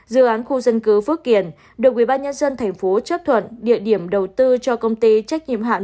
dự án khu dân cư phước kiển được ubnd tp chấp thuận địa điểm đầu tư cho công ty trách nhiệm hạn